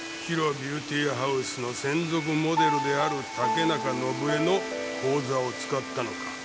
ビューティーハウスの専属モデルである竹中伸枝の口座を使ったのか